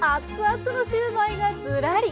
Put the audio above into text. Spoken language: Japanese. つのシューマイがずらり。